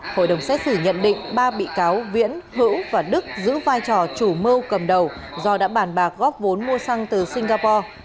hội đồng xét xử nhận định ba bị cáo viễn hữu và đức giữ vai trò chủ mưu cầm đầu do đã bàn bạc góp vốn mua xăng từ singapore